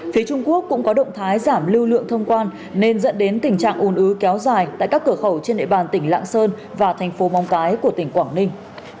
phía trung quốc cũng có động thái giảm lưu lượng thông quan nên dẫn đến tình trạng ồn ứ kéo dài tại các cửa khẩu trên địa bàn tỉnh lạng sơn và thành phố mong cái của tỉnh quảng ninh